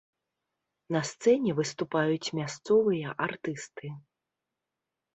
На сцэне выступаюць мясцовыя артысты.